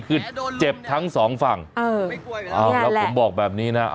แกะโดนลงขึ้นเจ็บทั้งสองฝั่งเออไม่กลัวเวทย์คะแล้วผมบอกแบบนี้น่ะ